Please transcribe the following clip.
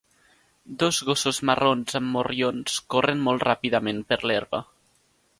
Dos gossos marrons amb morrions corren molt ràpidament per l'herba.